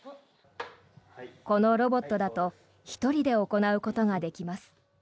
このロボットだと１人で行うことができます。